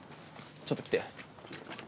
ちょっと来て。